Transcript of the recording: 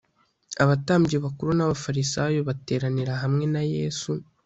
Abatambyi bakuru n Abafarisayo bateranira hamwe na yesu